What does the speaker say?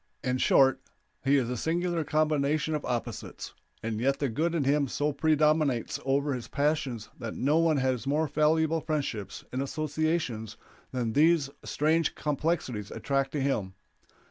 In short, he is a singular combination of opposites, and yet the good in him so predominates over his passions that no one has more valuable friendships and associations than these strange complexities attract to him.